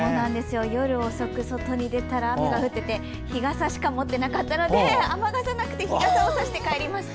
夜遅く外に出たら雨が降ってて日がさしか持っていなかったので雨傘じゃなくて日傘をさして帰りました。